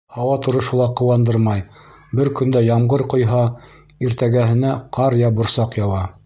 Һауа торошо ла ҡыуандырмай: бер көндә ямғыр ҡойһа, иртәгеһенә ҡар йә борсаҡ яуа.